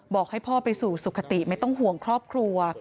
บอกให้พ่อไปสู่สุขติไม่ต้องห่วงครอบครัว